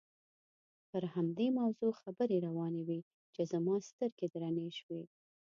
پر همدې موضوع خبرې روانې وې چې زما سترګې درنې شوې.